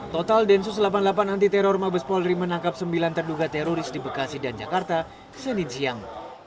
total densus delapan puluh delapan anti teror mabes polri menangkap sembilan terduga teroris di bekasi dan jakarta senin siang